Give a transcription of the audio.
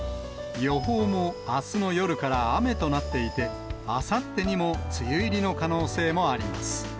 予報もあすの夜から雨となっていて、あさってにも梅雨入りの可能性もあります。